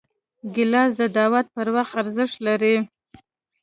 ګیلاس د دعوت پر وخت ارزښت لري.